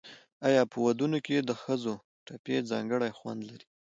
آیا په ودونو کې د ښځو ټپې ځانګړی خوند نلري؟